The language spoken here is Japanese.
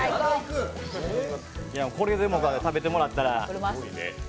これでもかと食べてもらったら。